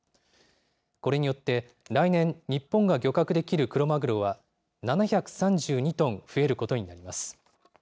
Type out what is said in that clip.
これによって、来年、日本が漁獲できるクロマグロは、７３２トン増えることになります。